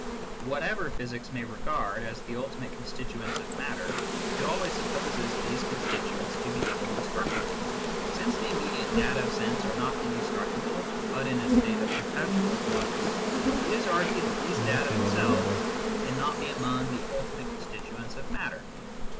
Whatever physics may regard as the ultimate constituents of matter, it always supposes these constituents to be indestructible. Since the immediate data of sense are not indestructible but in a state of perpetual flux, it is argued that these data themselves cannot be among the ultimate con stituents of matter.